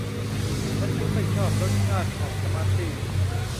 ฉันไม่ค่อยชอบรสชาติของสมาร์ทตี้